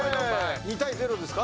２対０ですか？